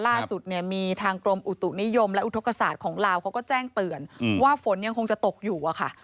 ล่าสุดเนี่ยมีทางกรมอุตุนิยมและอุทธกษาของลาวเขาก็แจ้งเตือนว่าฝนยังคงจะตกอยู่อะค่ะ